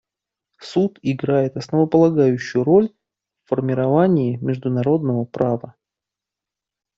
Суд играет основополагающую роль в формировании международного права.